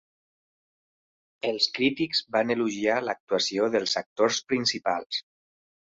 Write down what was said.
Els crítics van elogiar l'actuació dels actors principals.